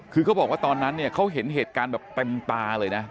คือเขาบอกว่าตอนนั้นเนี่ยเขาเห็นเหตุการณ์แบบเต็มตาเลยนะ